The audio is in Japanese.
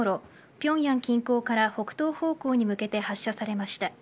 平壌近郊から北東方向に向けて発射されました。